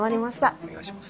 お願いします。